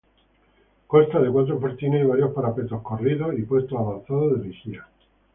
Consta de cuatro fortines y varios parapetos corridos y puestos avanzados de vigía.